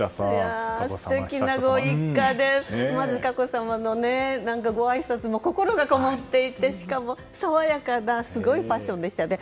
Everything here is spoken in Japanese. ご一家でまず佳子さまのごあいさつも心がこもっていてしかも爽やかなすごいパッションでしたね。